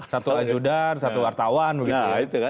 satu ajudan satu wartawan begitu